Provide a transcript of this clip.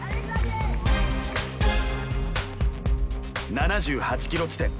７８ｋｍ地点。